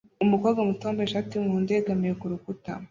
Umukobwa muto wambaye ishati yumuhondo yegamiye kurukuta